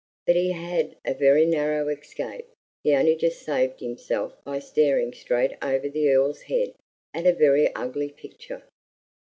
But he had a very narrow escape. He only just saved himself by staring straight over the Earl's head at a very ugly picture.